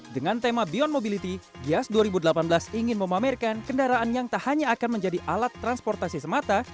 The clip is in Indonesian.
dengan tema beyond mobility giias dua ribu delapan belas ingin memamerkan kendaraan yang tak hanya akan menjadi alat transportasi semata